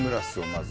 まず。